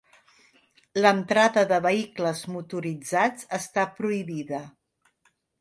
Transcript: L'entrada de vehicles motoritzats està prohibida.